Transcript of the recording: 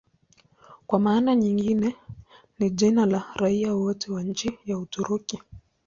Kwa maana nyingine ni jina la raia wote wa nchi ya Uturuki.